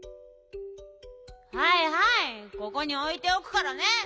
はいはいここにおいておくからね。